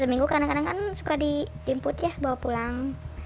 seminggu kadang kadang kan suka dijemput ya bawa pulang